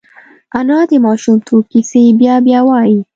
انا د ماشومتوب کیسې بیا بیا وايي